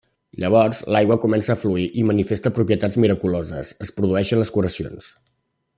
Llavors, l'aigua comença a fluir i manifesta propietats miraculoses: es produeixen les curacions.